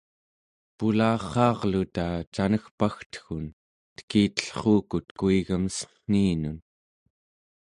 pularraarluta canegpagteggun tekitellruukut kuigem cen̄iinun